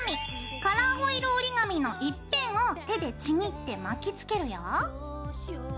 カラーホイル折り紙の一辺を手でちぎって巻きつけるよ。